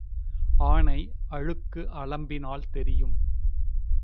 ஆனை அழுக்கு அலம்பினால் தெரியும்.